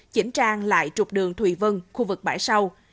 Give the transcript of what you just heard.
chỉnh trang lại trục đường thùy vân khu vực bãi sau